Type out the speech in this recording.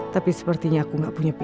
tapi sepertinya aku gak punya perasaan